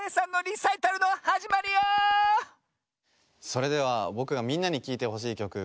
それではぼくがみんなにきいてほしいきょく